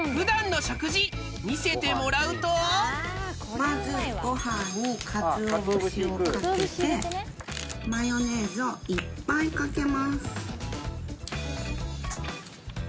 まずご飯にかつお節をかけてマヨネーズをいっぱいかけます